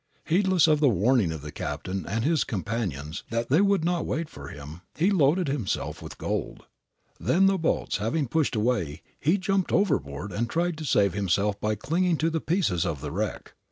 Heedless of the warning of the captain and his companions that they would not wait for him, he loaded himself with gold. Then, the boats having pushed away, he jumped overboard and tried to save himself by clinging to pieces of the wreck.